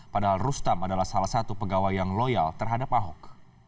padahal rustam adalah salah satu pegawai yang loyal terhadap ahok